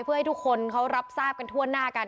เพื่อให้ทุกคนเขารับทราบกันทั่วหน้ากัน